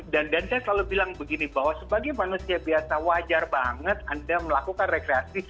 dan saya selalu bilang begini bahwa sebagai manusia biasa wajar banget anda melakukan rekreasi